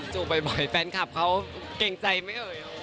บ่อยแฟนคลับเขาเกรงใจไหมเอ่ย